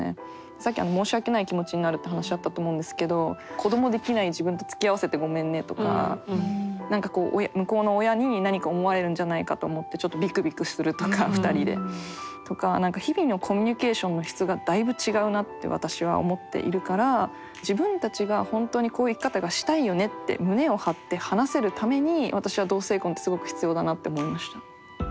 さっき申し訳ない気持ちになるって話あったと思うんですけど子供できない自分とつきあわせてごめんねとか何かこう向こうの親に何か思われるんじゃないかと思ってちょっとびくびくするとか２人で。とか何か日々のコミュニケーションの質がだいぶ違うなって私は思っているから自分たちが本当にこういう生き方がしたいよねって胸を張って話せるために私は同性婚ってすごく必要だなって思いました。